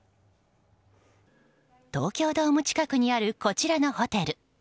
東京ドーム近くにあるこちらのホテル。